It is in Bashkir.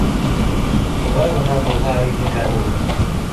Улай ғына булһа ине лә ул!